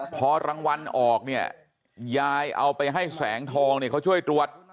พอรางวัลออกเนี่ยยายเอาไปให้แสงทองเนี่ยเขาช่วยตรวจ